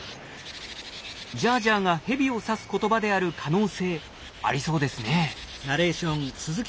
「ジャージャー」がヘビを指す言葉である可能性ありそうですね。